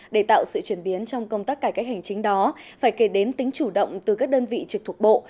để tạo sự chuyển biến trong công tác cải cách hành chính đó phải kể đến tính chủ động từ các đơn vị trực thuộc bộ